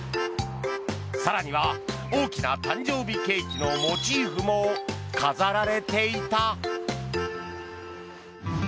更には大きな誕生日ケーキのモチーフも飾られていた。